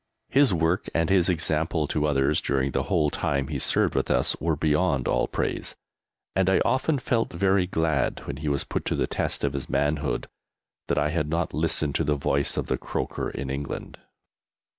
His work and his example to others, during the whole time he served with us, were beyond all praise, and I often felt very glad, when he was put to the test of his manhood, that I had not listened to the voice of the croaker in England.